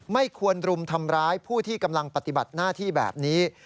ไม่ควรรุมทำร้ายผู้ที่กำลังปฏิบัติหน้าที่แบบนี้